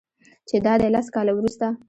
چې دادی لس کاله وروسته